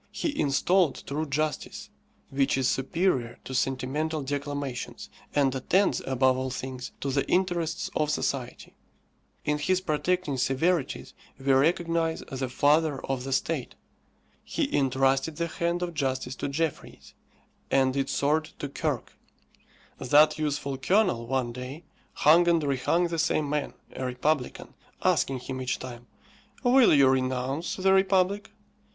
He installed true justice, which is superior to sentimental declamations, and attends, above all things, to the interests of society. In his protecting severities we recognize the father of the state. He entrusted the hand of justice to Jeffreys, and its sword to Kirke. That useful Colonel, one day, hung and rehung the same man, a republican, asking him each time, "Will you renounce the republic?"